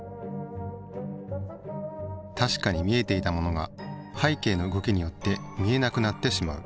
確かに見えていたものが背景の動きによって見えなくなってしまう。